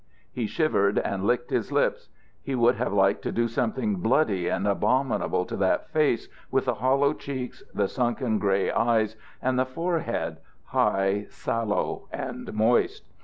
He shivered and licked his lips. He would have liked to do something bloody and abominable to that face with the hollow cheeks, the sunken grey eyes, and the forehead, high, sallow, and moist.